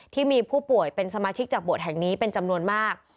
ที่มีผู้ป่วยเป็นสมาชิกจากบทแห่งนี้เป็นจำนวนมาก